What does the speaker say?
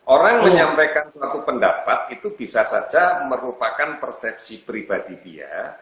orang menyampaikan suatu pendapat itu bisa saja merupakan persepsi pribadi dia